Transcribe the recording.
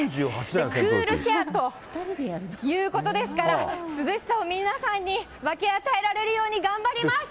クールシェアということですから、涼しさを皆さんに分け与えられるように頑張ります。